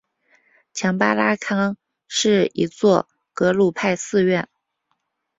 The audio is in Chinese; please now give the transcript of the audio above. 强巴拉康是一座格鲁派寺院。